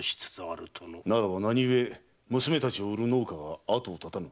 ならば何ゆえ娘たちを売る農家があとを絶たぬ？